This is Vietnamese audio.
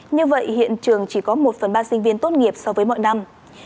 như vậy hiện trường chỉ có một phần ba sinh viên tốt nghiệp so với mọi năm